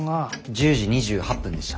１０時２８分でした。